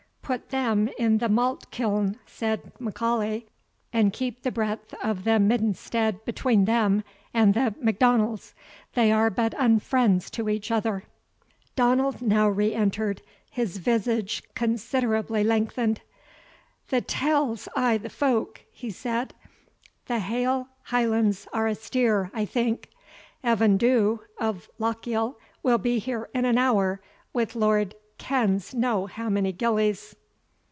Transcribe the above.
"Put them in the malt kiln," said M'Aulay; "and keep the breadth of the middenstead between them and the M'Donalds; they are but unfriends to each other." Donald now re entered, his visage considerably lengthened "The tell's i' the folk," he said; "the haill Hielands are asteer, I think. Evan Dhu, of Lochiel, will be here in an hour, with Lord kens how many gillies."